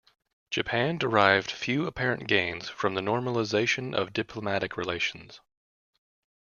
Japan derived few apparent gains from the normalization of diplomatic relations.